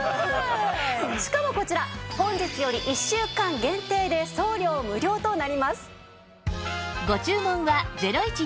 しかもこちら本日より１週間限定で送料無料となります。